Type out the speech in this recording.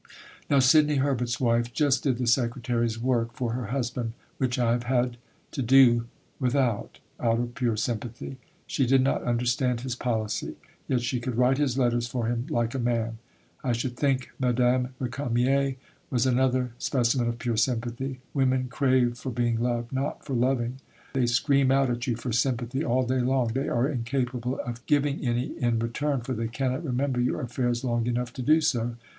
Now Sidney Herbert's wife just did the Secretary's work for her husband (which I have had to do without) out of pure sympathy. She did not understand his policy. Yet she could write his letters for him "like a man." I should think M^{me} Récamier was another specimen of pure sympathy.... Women crave for being loved, not for loving. They scream out at you for sympathy all day long, they are incapable of giving any in return, for they cannot remember your affairs long enough to do so....